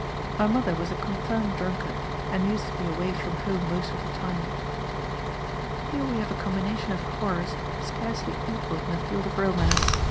My mother was a confirmed drunkard, and used to be away from home most of the time." Here we have a combination of horrors scarcely equaled in the field of romance.